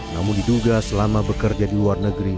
namun diduga selama bekerja di luar negeri